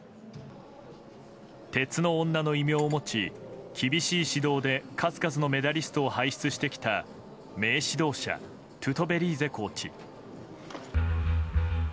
鉄の女の異名を持ち厳しい指導で数々のメダリストを輩出してきた名指導者トゥトベリーゼコーチ。